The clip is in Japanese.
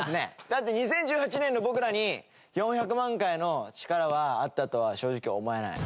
だって２０１８年の僕らに４００万回の力があったとは正直思えない。